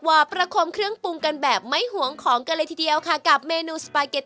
เหมือนเอาผัดชาทะเลแล้วก็ใส่เส้นลงไปเลย